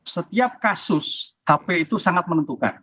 setiap kasus hp itu sangat menentukan